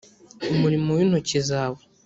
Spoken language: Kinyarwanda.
umurimo w intoki zawe